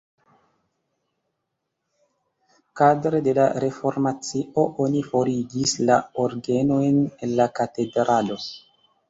Kadre de la reformacio oni forigis la orgenojn el la katedralo.